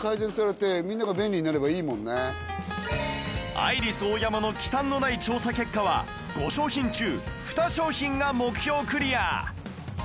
アイリスオーヤマの忌憚のない調査結果は５商品中２商品が目標クリア